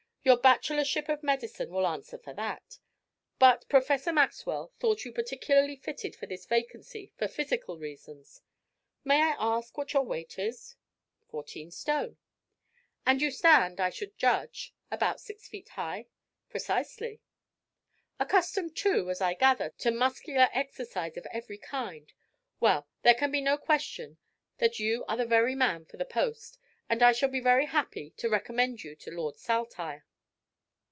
"Your Bachelorship of Medicine will answer for that. But Professor Maxwell thought you peculiarly fitted for this vacancy for physical reasons. May I ask you what your weight is?" "Fourteen stone." "And you stand, I should judge, about six feet high?" "Precisely." "Accustomed too, as I gather, to muscular exercise of every kind. Well, there can be no question that you are the very man for the post, and I shall be very happy to recommend you to Lord Saltire."